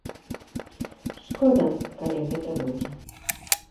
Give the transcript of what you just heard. Шкода, калі гэта будзе.